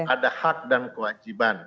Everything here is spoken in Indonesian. ada hak dan kewajiban